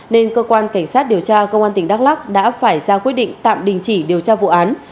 nên cơ quan cảnh sát điều tra công an tỉnh đắk lắc đã phải ra quyết định tạm đình chỉ điều tra vụ án